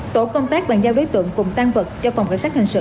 tổ công tác bàn giao đối tượng cùng tan vật cho phòng cảnh sát hình sự